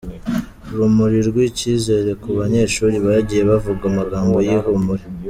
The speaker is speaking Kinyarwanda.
Urumuri rw'icyizere ku banyeshuli bagiye bavuga amagambo y'ihumure.